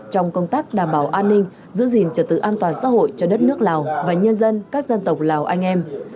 trong công tác đảm bảo an ninh giữ gìn trật tự an toàn xã hội cho đất nước lào và nhân dân các dân tộc lào anh em